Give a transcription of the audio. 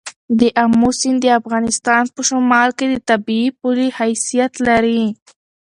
د آمو سیند د افغانستان په شمال کې د طبیعي پولې حیثیت لري.